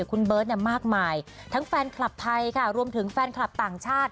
คุณเบิร์ตเนี่ยมากมายทั้งแฟนคลับไทยค่ะรวมถึงแฟนคลับต่างชาติ